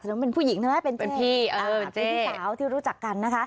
น้องเป็นผู้หญิงใช่ไหมเป็นพี่เป็นพี่สาวที่รู้จักกันนะคะ